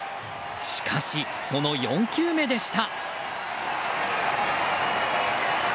しかし、その４球目でした。